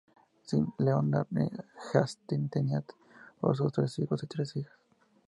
Sir Leonard Hastings tenía otros tres hijos y tres hijas.